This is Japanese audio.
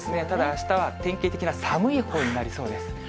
ただあしたは、典型的な寒いほうになりそうです。